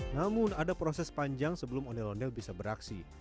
namun ada proses panjang sebelum ondel ondel bisa beraksi